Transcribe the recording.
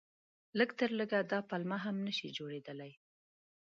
لږ تر لږه دا پلمه هم نه شي جوړېدلای.